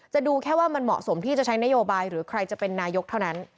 ดูแค่ว่ามันเหมาะสมที่จะใช้นโยบายหรือใครจะเป็นนายกเท่านั้น